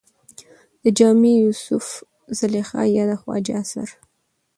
د جامي يوسف زلېخا يا د خواجه اثر